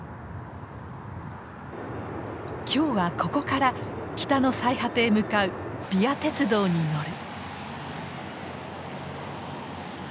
今日はここから北の最果てへ向かうＶＩＡ鉄道に乗る。